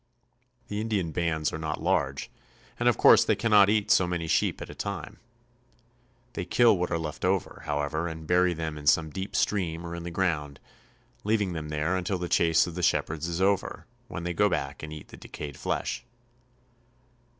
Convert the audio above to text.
The Indian bands are not large, and of course they cannot eat so many sheep at a time. They kill what are left over, however, and bury them in some deep stream or in the ground, leaving them there until the chase of the shepherds is over, when they go back and eat the decayed flesh.